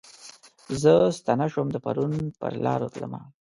زه ستنه شوم د پرون پرلارو تلمه